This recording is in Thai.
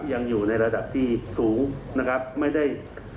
ยังอยู่ในระดับที่สูงนะครับไม่ได้